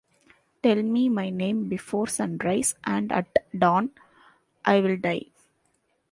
Tell me my name before sunrise, and at dawn, I will die.